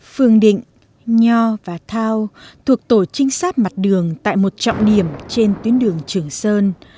phương định nho và thao thuộc tổ trinh sát mặt đường tại một trọng điểm trên tuyến đường trường sơn